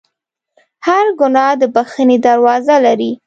هر ګناه د بخښنې دروازه لري.